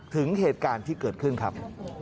ถึงเหตุการณ์ที่เกิดขึ้นครับ